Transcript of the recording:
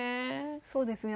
そうですね。